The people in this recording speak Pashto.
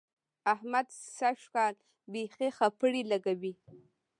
احمد سږ کال بېخي خپړې لګوي.